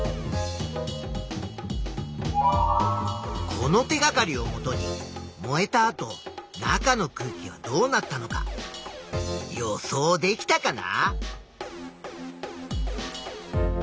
この手がかりをもとに燃えた後中の空気はどうなったのか予想できたかな？